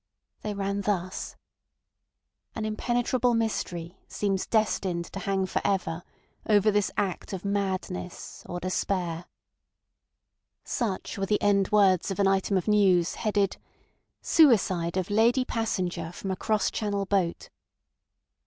They ran thus: "An impenetrable mystery seems destined to hang for ever over this act of madness or despair." Such were the end words of an item of news headed: "Suicide of Lady Passenger from a cross Channel Boat."